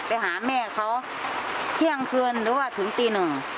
ไปหาแม่เขาเที่ยงคืนหรือว่าถึงตีหนึ่ง